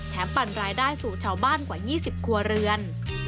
ปั่นรายได้สู่ชาวบ้านกว่า๒๐ครัวเรือน